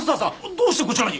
どうしてこちらに？